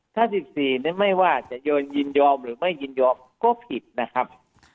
ถ้า๑๔ไม่ว่าจะยินยอมหรือไม่ยินยอมก็ผิดนะครับ